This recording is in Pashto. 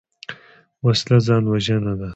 وسله ځان وژنه ده